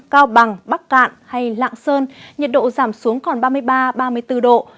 cao bằng bắc cạn hay lạng sơn nhiệt độ giảm xuống còn ba mươi ba ba mươi bốn độ